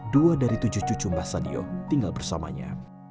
dua dari tujuh cucu basa diyu tinggal bersamanya